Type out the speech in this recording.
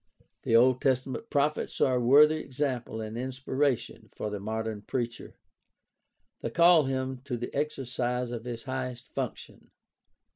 The Old Testament prophets are a worthy example and inspiration for the modern preacher. They call him to the exercise of his highest function.